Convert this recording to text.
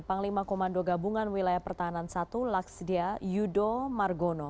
panglima komando gabungan wilayah pertahanan i laksdia yudho margono